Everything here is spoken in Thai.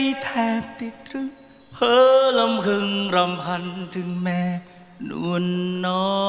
ให้พี่แทบติดตรึงเผอร์ลำคึงลำพันถึงแม่นวดน้อ